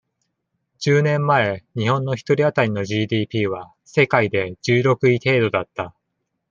十年前、日本の一人当たりの ＧＤＰ は、世界で、十六位程度だった。